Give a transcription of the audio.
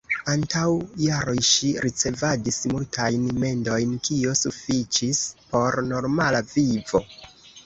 Antaŭ jaroj ŝi ricevadis multajn mendojn, kio sufiĉis por normala vivo.